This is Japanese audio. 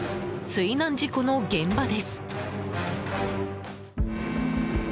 水難事故の現場です。